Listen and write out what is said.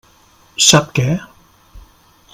Sap què?